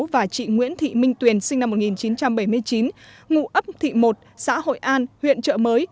và chị nguyễn thị minh tuyền sinh năm một nghìn chín trăm bảy mươi chín ngụ ấp thị một xã hội an huyện trợ mới